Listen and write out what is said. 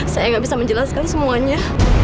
saya nggak bisa menjelaskan semuanya